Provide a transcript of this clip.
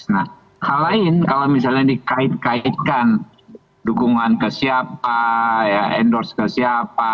nah hal lain kalau misalnya dikait kaitkan dukungan ke siapa ya endorse ke siapa